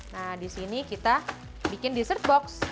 nah disini kita bikin dessert box